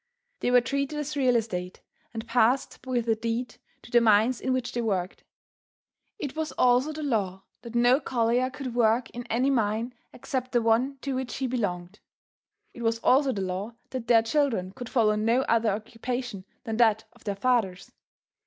They were treated as real estate and passed with a deed to the mines in which they worked. It was also the law that no collier could work in any mine except the one to which he belonged. It was also the law that their children could follow no other occupation than that of their fathers.